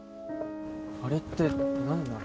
あれって何なの？